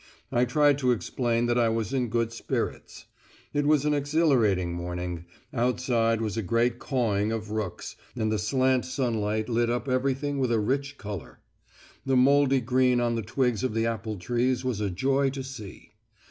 I tried to explain that I was in good spirits. It was an exhilarating morning; outside was a great cawing of rooks, and the slant sunlight lit up everything with a rich colour; the mouldy green on the twigs of the apple trees was a joy to see.